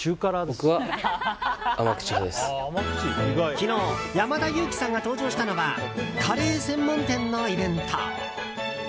昨日山田裕貴さんが登場したのはカレー専門店のイベント。